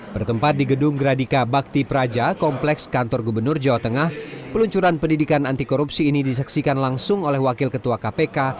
bertempat di gedung gradika bakti praja kompleks kantor gubernur jawa tengah peluncuran pendidikan anti korupsi ini disaksikan langsung oleh wakil ketua kpk